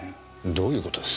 どういう事です？